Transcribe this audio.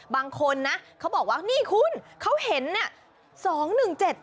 บางคนนะเขาบอกว่านี่คุณเขาเห็นเนี่ย